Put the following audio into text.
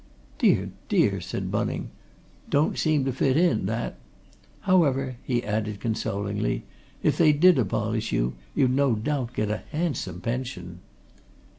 "Dear, dear!" said Bunning. "Don't seem to fit in, that! However," he added consolingly, "if they did abolish you, you'd no doubt get a handsome pension."